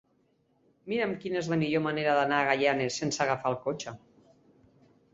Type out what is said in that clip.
Mira'm quina és la millor manera d'anar a Gaianes sense agafar el cotxe.